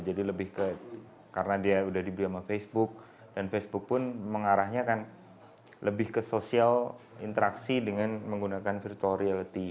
jadi lebih ke karena dia udah dibeli sama facebook dan facebook pun mengarahnya kan lebih ke sosial interaksi dengan menggunakan virtual reality